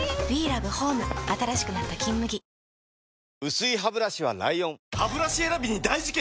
薄いハブラシは ＬＩＯＮハブラシ選びに大事件！